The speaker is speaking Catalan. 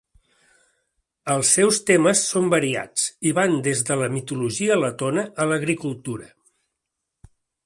Els seus temes són variats i van des de la mitologia letona a l'agricultura.